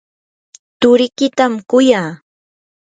turikitam kuyaa.